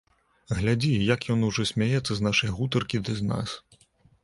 Глядзі, як ён ужо смяецца з нашай гутаркі ды з нас.